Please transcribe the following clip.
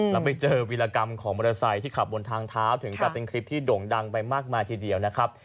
แล้วไปเจอวิรากรรมของมอเตอร์ไซค์ที่ขับบนทางเท้าถึงกลับเป็นคลิปที่โด่งดังไปมากมายทีเดียวนะครับ